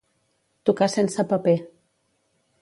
Tocar sense paper.